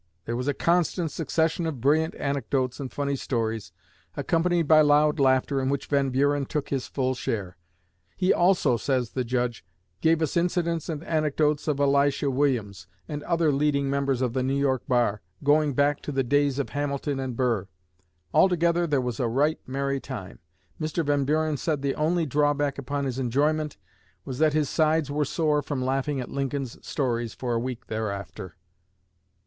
There was a constant succession of brilliant anecdotes and funny stories, accompanied by loud laughter in which Van Buren took his full share. "He also," says the Judge, "gave us incidents and anecdotes of Elisha Williams, and other leading members of the New York bar, going back to the days of Hamilton and Burr. Altogether there was a right merry time. Mr. Van Buren said the only drawback upon his enjoyment was that his sides were sore from laughing at Lincoln's stories for a week thereafter."